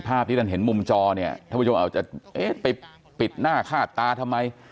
ภาพที่ท่านเห็นมุมจอท่านผู้ชมจะไปปิดหน้าคาดตาทำไม